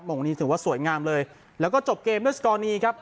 งงนี้ถือว่าสวยงามเลยแล้วก็จบเกมด้วยสกรณีครับ